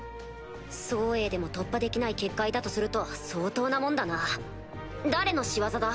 ソウエイでも突破できない結界だとすると相当なもんだな誰の仕業だ？